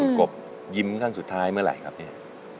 คุณกบยิ้มท่านสุดท้ายเมื่อไหร่ครับเนี่ย